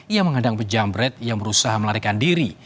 ia mengandang penjambret yang berusaha melarikan diri